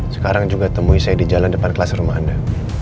sekarang juga temui saya di jalan depan kelas rumah anda